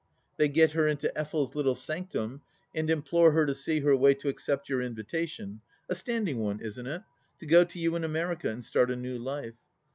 They get her into Effel's little sanctum and implore her to see her way to accept your invitation — a standing one, isn't it ?— ^to go to you in America, and start a new life.